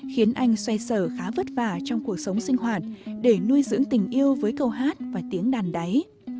khiến anh xoay sở khá vất vả trong cuộc sống sinh hoạt để nuôi dưỡng tình yêu với câu hát và tiếng đàn đáy